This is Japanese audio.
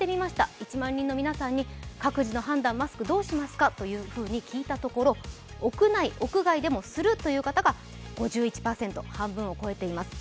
１万人の皆さんに各自のマスクの判断どうしますかと聞いたところ屋内・屋外でもするという方が５１％半分を超えています。